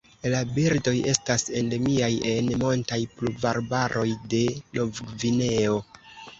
La birdoj estas endemiaj en montaj pluvarbaroj de Novgvineo.